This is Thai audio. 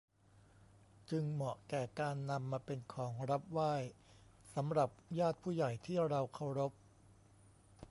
จึงเหมาะแก่การนำมาเป็นของรับไหว้สำหรับญาติผู้ใหญ่ที่เราเคารพ